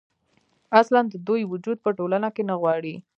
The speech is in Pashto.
اصـلا د دوي وجـود پـه ټـولـنـه کـې نـه غـواړي.